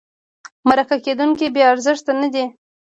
مرکه کېدونکی بې ارزښته نه دی.